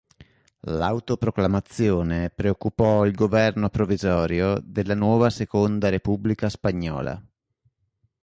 L'autoproclamazione preoccupò il governo provvisorio della nuova Seconda Repubblica Spagnola.